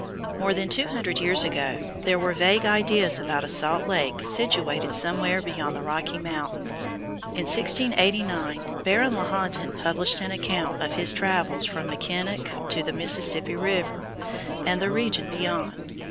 More than two hundred years ago there were vague ideas about a salt lake situated somewhere beyond the Rocky Mountains. In 1689 Baron Lahontan published an account of his travels from Mackinac to the Mississippi River and the region beyond.